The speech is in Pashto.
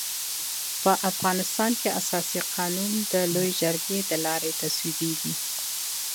په افغانستان کي اساسي قانون د لويي جرګي د لاري تصويبيږي.